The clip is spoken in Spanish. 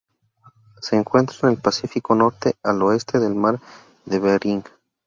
Se encuentra en el Pacífico norte: al oeste del Mar de Bering.